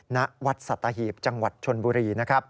ณวัดสัตถาหีบจังหวัดชนบุรี